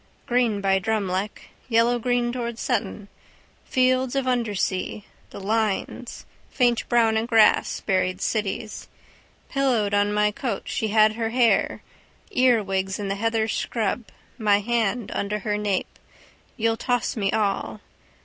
Green by Drumleck. Yellowgreen towards Sutton. Fields of undersea, the lines faint brown in grass, buried cities. Pillowed on my coat she had her hair, earwigs in the heather scrub my hand under her nape, you'll toss me all.